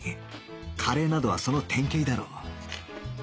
カレーなどはその典型だろう